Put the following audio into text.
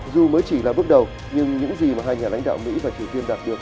dù mới chỉ là bước đầu nhưng những gì mà hai nhà lãnh đạo mỹ và triều tiên đạt được